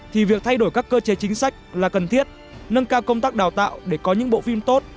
thì việc thay đổi các cơ chế chính sách là cần thiết nâng cao công tác đào tạo để có những bộ phim tốt